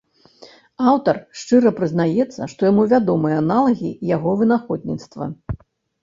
Аўтар шчыра прызнаецца, што яму вядомыя аналагі яго вынаходніцтва.